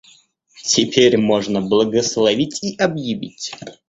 Теперь можно благословить и объявить.